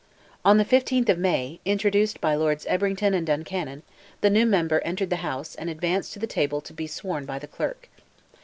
On the 15th of May, introduced by Lords Ebrington and Duncannon, the new member entered the House, and advanced to the table to be sworn by the Clerk.